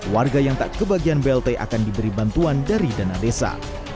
warga yang tak kebagian blt akan diberi bantuan dari dana desa